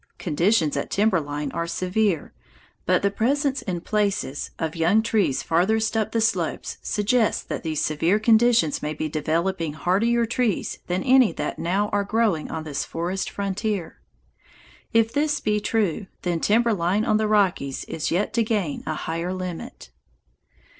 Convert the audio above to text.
Conditions at timber line are severe, but the presence, in places, of young trees farthest up the slopes suggests that these severe conditions may be developing hardier trees than any that now are growing on this forest frontier. If this be true, then timber line on the Rockies is yet to gain a higher limit.